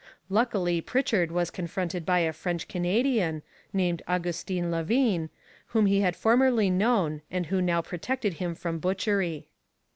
Luckily Pritchard was confronted by a French Canadian, named Augustin Lavigne, whom he had formerly known and who now protected him from butchery.